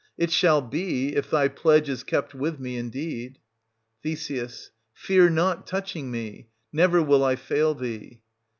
It shall be — if thy pledge is kept with me indeed. Th. Fear not touching me ; never will I fail thee.